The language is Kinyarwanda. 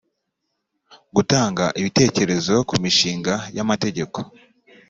gutanga ibitekerezo ku mishinga y amategeko